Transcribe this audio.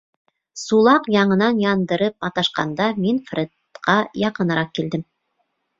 Сулаҡ яңынан яндырып маташҡанда мин Фредҡа яҡыныраҡ килдем.